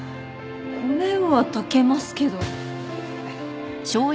米は炊けますけど。